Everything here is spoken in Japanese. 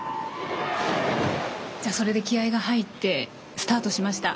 それで気合が入ってスタートしました。